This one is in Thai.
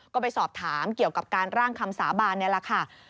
ก็ไปสอบถามเกี่ยวกับการร่างคำสาบานนี่แหละค่ะ